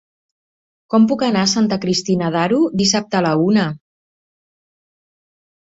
Com puc anar a Santa Cristina d'Aro dissabte a la una?